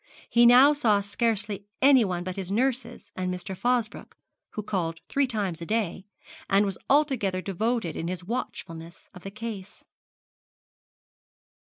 He now saw scarcely anyone but his nurses and Mr. Fosbroke, who called three times a day, and was altogether devoted in his watchfulness of the case.